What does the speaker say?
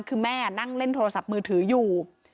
คือแม่นั่งเล่นโทรศัพท์มือถืออยู่